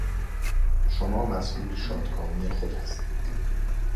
شما مسئول شادکامی خود هستید